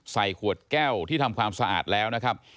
ใส่ขวดแก้วที่ทำความสะอาดแล้วนะครับ